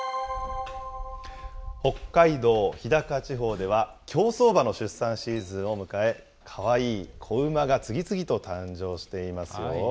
北海道日高地方では、競走馬の出産シーズンを迎え、かわいい子馬が次々と誕生していますよ。